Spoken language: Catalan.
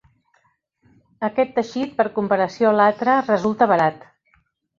Aquest teixit, per comparació a l'altre, resulta barat.